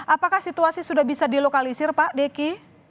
apakah situasi sudah bisa dilokalisir pak deki